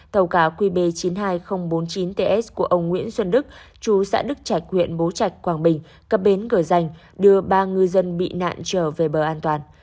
tàu cá qb chín mươi hai nghìn bốn mươi chín ts của ông nguyễn xuân đức chú xã đức trạch huyện bố trạch quảng bình cập bến gở danh đưa ba ngư dân bị nạn trở về bờ an toàn